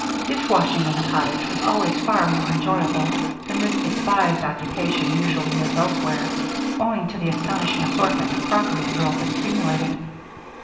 Dishwashing in the cottage was always far more enjoyable than this despised occupation usually is elsewhere, owing to the astonishing assortment of crockery the girls had accumulated.